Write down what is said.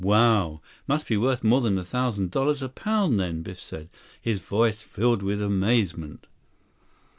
"Wow! Must be worth more than a thousand dollars a pound, then," Biff said, his voice filled with amazement.